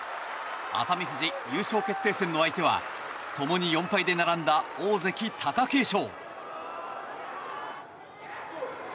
熱海富士、優勝決定戦の相手はともに４敗で並んだ大関、貴景勝。